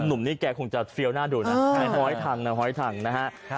หนุ่มนี้แกคงจะเฟี้ยวหน้าดูนะหอยถังนะหอยถังนะฮะ